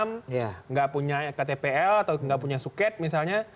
tidak punya ktpl atau nggak punya suket misalnya